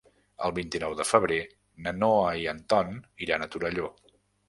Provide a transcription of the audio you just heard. El vint-i-nou de febrer na Noa i en Ton iran a Torelló.